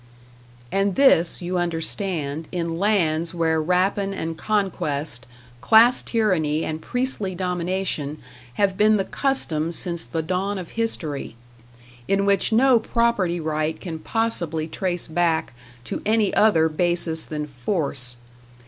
And this, you understand, in lands where rapine and conquest, class tyranny and priestly domination have been the custom since the dawn of history; in which no property right can possibly trace back to any other basis than force.